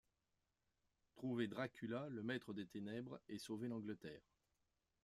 Trouvez Dracula, le maître des ténèbres, et sauvez l'Angleterre.